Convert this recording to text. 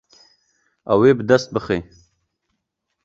Ew ê bi dest bixe.